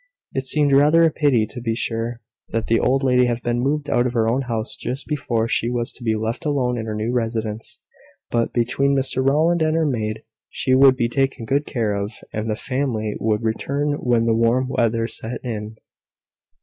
It seemed rather a pity, to be sure, that the old lady had been moved out of her own house just before she was to be left alone in her new residence; but, between Mr Rowland and her maid, she would be taken good care of; and the family would return when the warm weather set in.